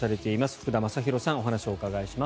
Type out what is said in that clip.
福田正博さんにお話をお伺いします。